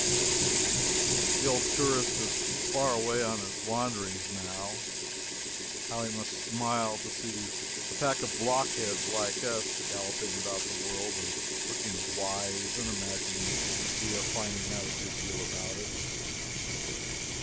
The old tourist is far away on his wanderings, now. How he must smile to see a pack of blockheads like us, galloping about the world, and looking wise, and imagining we are finding out a good deal about it!